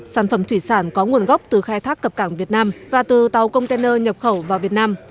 sản phẩm thủy sản có nguồn gốc từ khai thác cập cảng việt nam và từ tàu container nhập khẩu vào việt nam